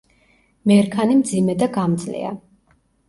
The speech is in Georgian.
მერქანი მძიმე და გამძლეა.